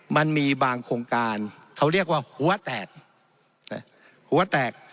มันมีบางโครงการเขาเรียกว่าหัวแตกหัวแตก